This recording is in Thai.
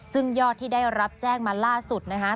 ซึ่งยอดที่ได้รับแจ้งมาล่าสุดนะคะ